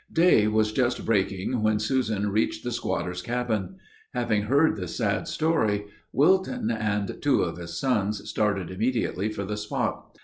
Day was just breaking when Susan reached the squatter's cabin. Having heard the sad story, Wilton and two of his sons started immediately for the spot.